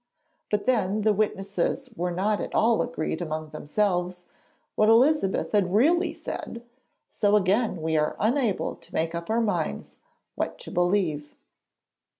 But then the witnesses were not at all agreed among themselves what Elizabeth had really said, so again we are unable to make up our minds what to believe.